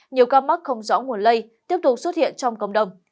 nhiều ca mắc không rõ nguồn lây tiếp tục xuất hiện trong cộng đồng